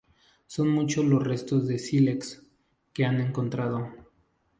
Son muchos los restos de sílex que se han encontrado.